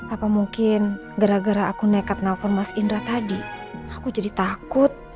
apa mungkin gara gara aku nekat nelfon mas indra tadi aku jadi takut